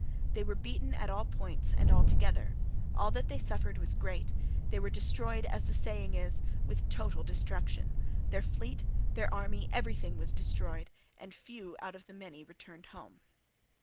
They were beaten at all points and altogether; all that they suffered was great; they were destroyed, as the saying is, with a total destruction, their fleet, their army, everything was destroyed, and few out of many returned home.